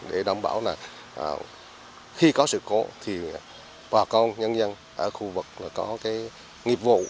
để đảm bảo là khi có sự cố thì bà con nhân dân ở khu vực có cái nghiệp vụ